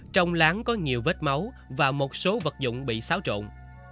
trong láng có nhiều vết máu và một số vật dụng bị xáo trộn